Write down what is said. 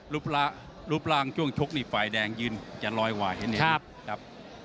รูปร่างรูปร่างช่วงชกในฝ่ายแดงยืนจะลอยหวายเห็นไหมครับครับ